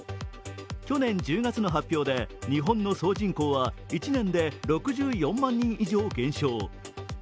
去年１０月の発表で、日本の総人口は１年で６４万人以上減少。